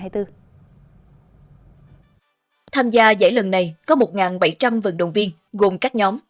tham gia giải lần này có một bảy trăm linh vận động viên gồm các nhóm